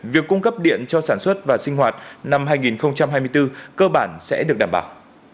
việc cung cấp điện cho sản xuất và sinh hoạt năm hai nghìn hai mươi bốn cơ bản sẽ được đảm bảo